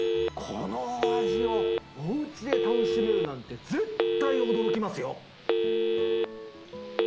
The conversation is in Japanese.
この味をお家で楽しめるなんて絶対驚きますよ。